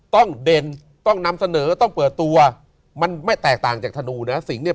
เด่นต้องนำเสนอต้องเปิดตัวมันไม่แตกต่างจากธนูนะสิงห์เนี่ย